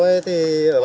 này anh ơi